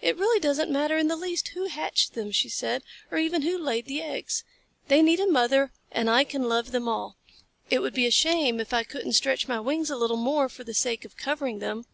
"It really doesn't matter in the least who hatched them," she said, "or even who laid the eggs. They need a mother and I can love them all. It would be a shame if I couldn't stretch my wings a little more for the sake of covering them."